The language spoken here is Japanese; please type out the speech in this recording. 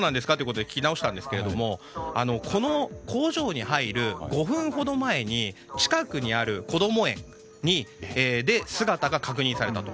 と聞き直したんですがこの工場に入る５分ほど前に近くにあるこども園で姿が確認されたと。